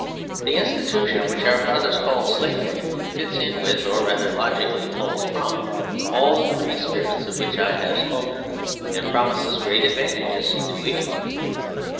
The institution which our fathers called Slavery fits in with, or rather logically flows from, all the three spirits of which I have spoken, and promises great advantages to each of them.